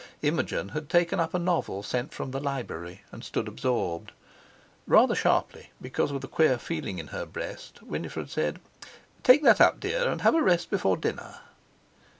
Imogen had taken up a novel sent from the library, and stood absorbed. Rather sharply, because of the queer feeling in her breast, Winifred said: "Take that up, dear, and have a rest before dinner."